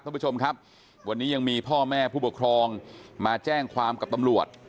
ท่านผู้ชมครับวันนี้ยังมีพ่อแม่ผู้ปกครองมาแจ้งความกับตำรวจ